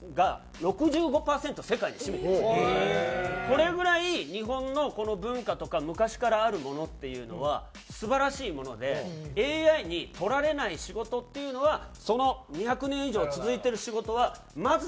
これぐらい日本の文化とか昔からあるものっていうのは素晴らしいものでＡＩに取られない仕事っていうのはその２００年以上続いてる仕事はまず取られないっていう。